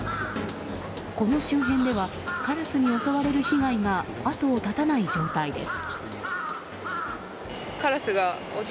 この周辺ではカラスに襲われる被害が後を絶たない状態です。